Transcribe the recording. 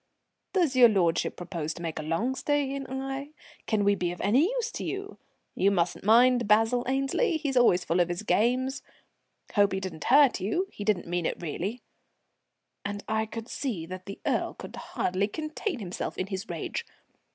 "Does your lordship propose to make a long stay in Aix? Can we be of any use to you?" "You mustn't mind Basil Annesley; he's always full of his games." "Hope he didn't hurt you. He didn't mean it really;" and I could see that the Earl could hardly contain himself in his rage.